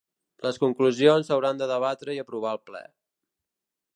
Les conclusions s’hauran de debatre i aprovar al ple.